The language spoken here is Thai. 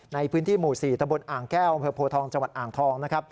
ในพื้นที่หมู่๔ตมอ่างแก้วอโภธองจังหวัดอ่างทอง